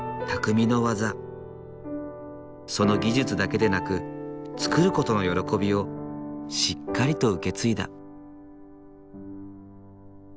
その技術だけでなく作る事の喜びをしっかりと受け継いだ。